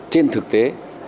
trên thực tế